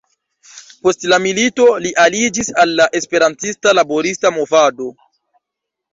Post la milito li aliĝis al la esperantista laborista movado.